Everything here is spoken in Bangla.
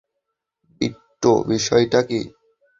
বিট্টো, বিষয়টা কী?